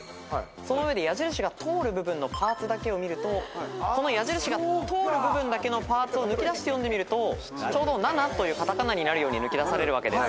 その上で矢印が通る部分のパーツだけを見るとこの矢印が通る部分だけのパーツを抜き出して読んでみるとちょうど「ナナ」という片仮名になるように抜き出されるわけです。